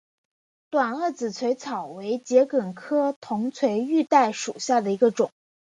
短萼紫锤草为桔梗科铜锤玉带属下的一个种。